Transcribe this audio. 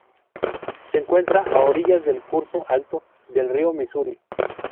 Se encuentra a orillas del curso alto del río Misuri.